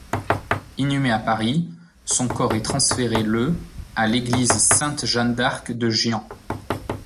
Inhumé à Paris, son corps est transféré le à l'église Sainte-Jeanne d'Arc de Gien.